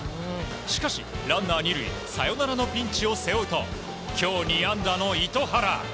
しかし、ランナー２塁サヨナラのピンチを背負うと今日２安打の糸原。